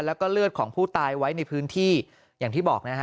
แล้วก็เลือดของผู้ตายไว้ในพื้นที่อย่างที่บอกนะฮะ